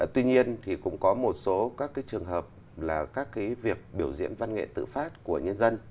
tuy nhiên thì cũng có một số các cái trường hợp là các cái việc biểu diễn văn nghệ tự phát của nhân dân